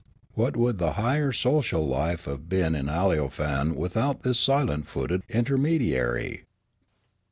What would the higher social life have been in Aleofane without this silent footed intermediary